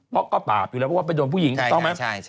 เพราะก็ปราบอยู่แล้วเพราะว่าไปโดนผู้หญิงถูกต้องไหม